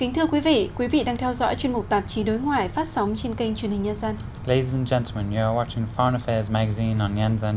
thưa quý vị quý vị đang theo dõi chuyên mục tạp chí đối ngoại phát sóng trên kênh truyền hình nhân dân